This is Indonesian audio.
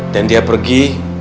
dan dia pergi